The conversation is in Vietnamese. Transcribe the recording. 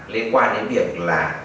liên quan đến việc là